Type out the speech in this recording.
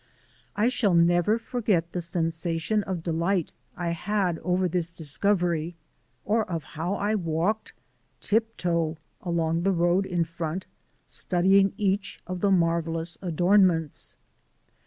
I shall never forget the sensation of delight I had over this discovery, or of how I walked, tiptoe, along the road in front, studying each of the marvellous adornments.